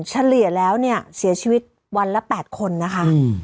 เฉลี่ยแล้วเนี่ยเสียชีวิตวันละ๘คนนะคะ